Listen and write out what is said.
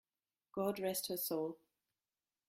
God rest her soul!